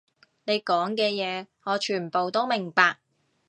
你講嘅嘢，我全部都明白